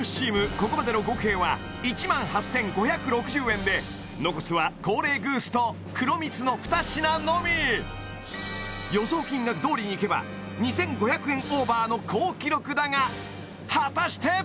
ここまでの合計は１８５６０円で残すはコーレーグースとくろみつの２品のみ予想金額どおりにいけば２５００円オーバーの好記録だが果たして？